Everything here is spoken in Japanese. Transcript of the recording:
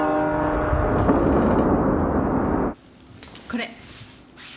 これ。